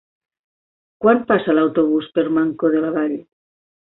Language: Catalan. Quan passa l'autobús per Mancor de la Vall?